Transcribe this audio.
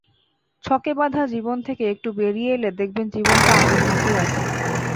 ছকেবাঁধা জীবন থেকে একটু বেরিয়ে এলে দেখবেন জীবনটা আগের মতোই আছে।